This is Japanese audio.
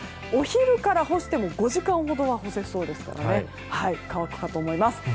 お昼から干しても５時間ほどは干せそうですから乾くかと思います。